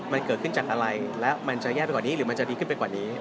มันเกิดขึ้นจากอะไรและมันจะแย่ไปกว่านี้หรือมันจะดีขึ้นไปกว่านี้